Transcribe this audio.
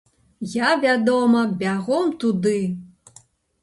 Я, вядома, бягом туды.